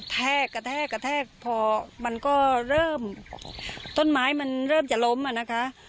แทกกระแทกกระแทกพอมันก็เริ่มต้นไม้มันเริ่มจะล้มอ่ะนะคะ